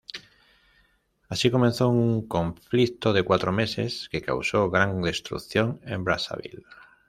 Así comenzó un conflicto de cuatro meses que causó gran destrucción en Brazzaville.